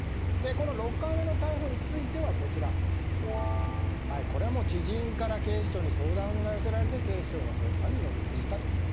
この６回目の逮捕については知人から警視庁に相談が寄せられていて警視庁が捜査に乗り出した。